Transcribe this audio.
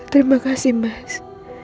terima kasih mas